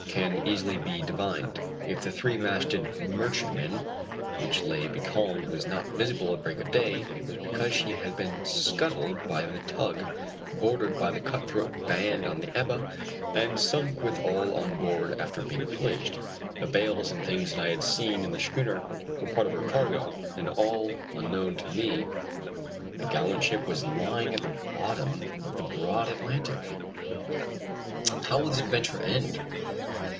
can easily be divined. If the three masted merchantman which lay becalmed was not visible at break of day it was because she had been scuttled by the tug, boarded by the cut throat band on the Ebba, and sunk with all on board after being pillaged. The bales and things that I had seen on the schooner were a part of her cargo, and all unknown to me the gallant ship was lying at the bottom of the broad Atlantic! How will this adventure end?